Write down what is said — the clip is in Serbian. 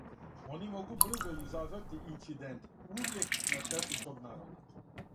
Они могу брзо изазвати инцидент, увијек на штету свог народа.